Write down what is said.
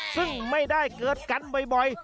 ซึ่งไม่ได้เกิดกันบ่อย